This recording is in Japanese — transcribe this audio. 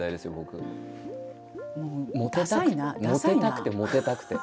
モテたくてモテたくて。